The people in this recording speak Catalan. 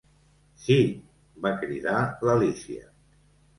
"Sí!", va cridar l'Alícia.